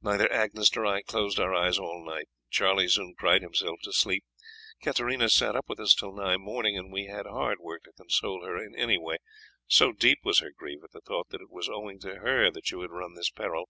Neither Agnes nor I closed our eyes all night Charlie soon cried himself to sleep, Katarina sat up with us till nigh morning, and we had hard work to console her in any way, so deep was her grief at the thought that it was owing to her that you had run this peril.